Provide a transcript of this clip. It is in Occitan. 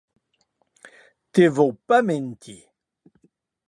Non te vau a mentir.